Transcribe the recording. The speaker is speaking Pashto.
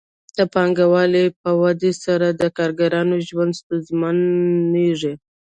د پانګوال په ودې سره د کارګرانو ژوند ستونزمنېږي